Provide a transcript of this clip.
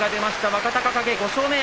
若隆景５勝目。